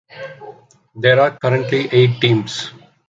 There are currently eight teams.